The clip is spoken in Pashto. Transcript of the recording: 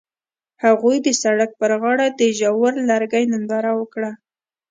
هغوی د سړک پر غاړه د ژور لرګی ننداره وکړه.